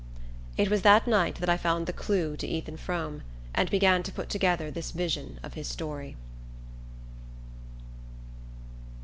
It was that night that I found the clue to Ethan Frome, and began to put together this vision of his story.